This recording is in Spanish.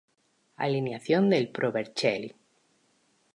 Alineación del Pro Vercelli